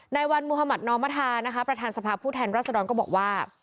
ในวันมหมาท์นองมธนะคะพระธานสภาพูดแทนรัฐสวดลมก็บอกว่า